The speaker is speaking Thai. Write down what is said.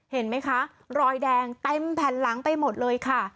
เห็นไหมคะรอยแดงเต็มแผ่นหลังไปหมดเลยค่ะ